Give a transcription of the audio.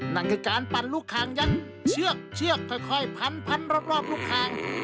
นั่นคือการปั่นลูกคางยัดเชือกเชือกค่อยพันรอบลูกคาง